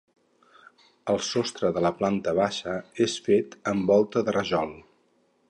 El sostre de la planta baixa és fet amb volta de rajol.